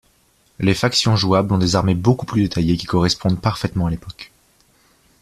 Les factions jouables ont des armées beaucoup plus détaillées qui correspondent parfaitement à l'époque.